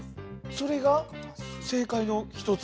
それが正解のひとつ？